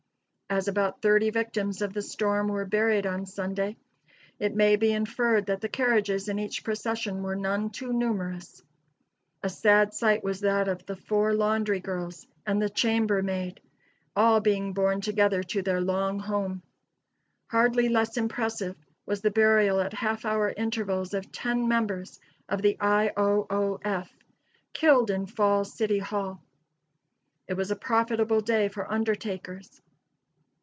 As about thirty victims of the storm were buried on Sunday, it may be inferred that the carriages in each procession were none too numerous. A sad sight was that of the four laundry girls, and the chamber maid, all being borne together to their long home. Hardly less impressive was the burial at half hour intervals of ten members of the I. O. O. F., killed in Falls City Hall. It was a profitable day for undertakers.